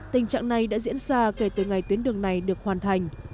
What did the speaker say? tình trạng này đã diễn ra kể từ ngày tuyến đường này được hoàn thành